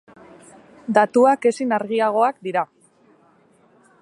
Datuak ezin argiagoak dira.